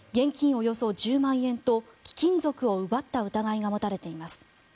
およそ１０万円と貴金属を奪った疑いが持たれています。